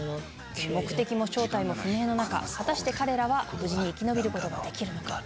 目的も正体も不明の中果たして彼らは無事に生き延びることができるのか？